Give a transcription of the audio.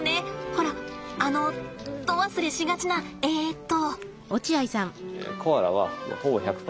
ほらあのド忘れしがちなえっと。